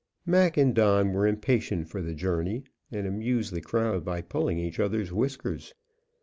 Mac and Don were impatient for the journey, and amused the crowd by pulling each other's whiskers.